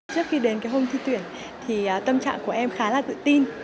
trước khi đến cái hôm thi tuyển thì tâm trạng của em khá là tự tin